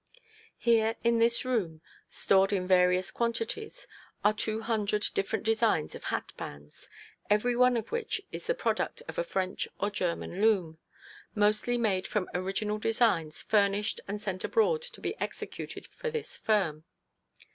Here in this room, stored in various quantities, are two hundred different designs of hat bands, every one of which is the product of a French or German loom, mostly made from original designs furnished and sent abroad to be executed for this firm.